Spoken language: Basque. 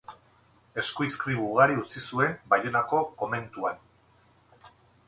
Eskuizkribu ugari utzi zuen Baionako komentuan.